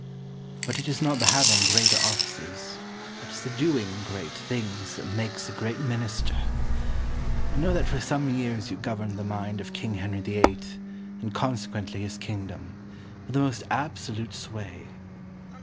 But it is not the having great offices, it is the doing great things, that makes a great Minister. I know that for some years you governed the mind of King Henry VIII., and consequently his kingdom, with the most absolute sway.